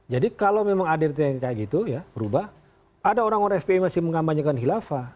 jadi kalau memang adrt yang kayak gitu ya berubah ada orang orang fpi masih mengkampanyekan hilafah